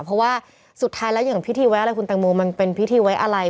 เพราะว่าสุดท้ายแล้วอย่างพิธีไว้อะไรคุณแตงโมมันเป็นพิธีไว้อะไร